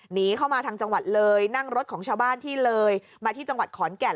หนีเข้ามาทางจังหวัดเลยนั่งรถของชาวบ้านที่เลยมาที่จังหวัดขอนแก่น